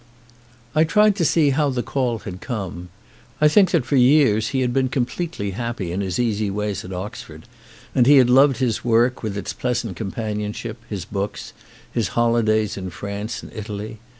I tried to see how the call had come. I think that for years he had been completely happy in. his easy ways at Oxford; and he had loved his work, with its pleasant companionship, his books*, his holidays in France and Italy.